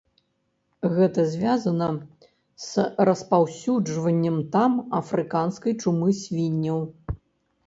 Гэта звязана з распаўсюджаннем там афрыканскай чумы свінняў.